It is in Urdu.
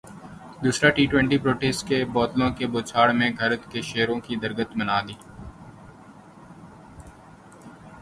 دوسرا ٹی ٹوئنٹی پروٹیز نے بوتلوں کی بوچھاڑمیں گھر کے شیروں کی درگت بنادی